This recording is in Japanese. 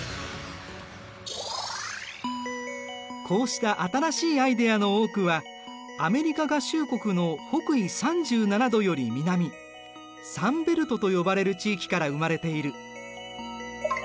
こうした新しいアイデアの多くはアメリカ合衆国の北緯３７度より南サンベルトと呼ばれる地域から生まれている。